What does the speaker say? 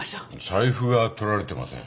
財布がとられてません。